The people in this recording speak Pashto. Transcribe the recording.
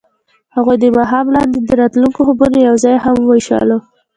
هغوی د ماښام لاندې د راتلونکي خوبونه یوځای هم وویشل.